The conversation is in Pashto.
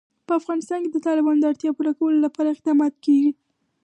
په افغانستان کې د تالابونه د اړتیاوو پوره کولو لپاره اقدامات کېږي.